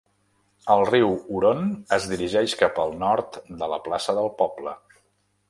El riu Huron es dirigeix cap al nord de la plaça del poble.